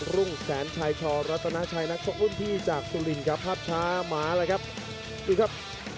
รุ่นพี่จากตุลน์ครับฮับช้าหม่าเลยครับ